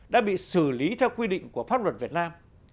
đã bị xử lý theo quy định của pháp luật việt nam